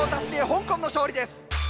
香港の勝利です。